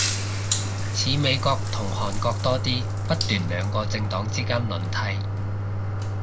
似美國同韓國多啲，不斷兩個政黨之間輪替